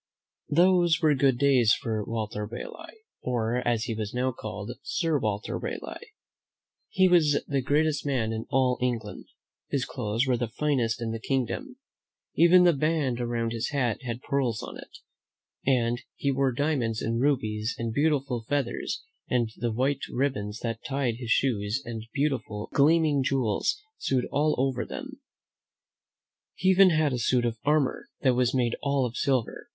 Those were good days for Walter Raleigh, or, as he was now called. Sir Walter Raleigh. He was the greatest man in all England. His clothes were the finest in the kingdom. Even the band around his hat had pearls on it, and he wore diamonds and rubies and beautiful feathers, and the white ribbons that tied his shoes had beautiful, gleaming jewels sewed all over them. He even had a suit of armor that was made all of silver.